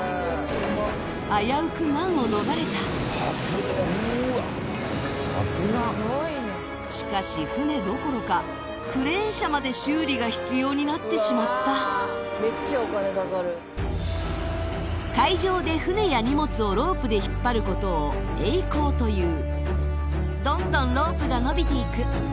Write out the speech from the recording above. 危うく難を逃れたしかし船どころかクレーン車まで修理が必要になってしまった海上で船や荷物をロープで引っ張ることを曳航というどんどんロープがのびていく